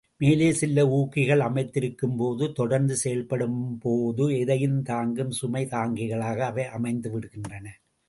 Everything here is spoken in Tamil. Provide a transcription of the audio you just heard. மேலே செல்ல ஊக்கிகள் அமைந்திருக்கும்போது தொடர்ந்து செயல்படும்போது எதையும் தாங்கும் சுமை தாக்கிகளாக அவை அமைந்துவிடுகின்றன.